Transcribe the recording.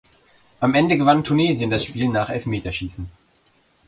Am Ende gewann Tunesien das Spiel nach Elfmeterschießen.